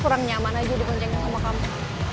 kurang nyaman aja di boncengin sama kamu